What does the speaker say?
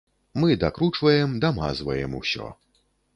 Мы дакручваем, дамазваем усё.